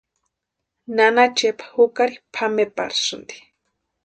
Nana Chepa jukari pʼameparhasïnti.